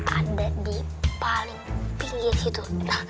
ada di paling pinggir situ